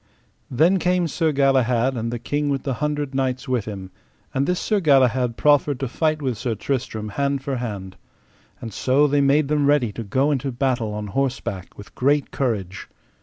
Then came Sir Galahad, and the King with the Hundred Knights with him; and this Sir Galahad proffered to fight with Sir Tristram hand for hand. And so they made them ready to go unto battle on horseback with great courage.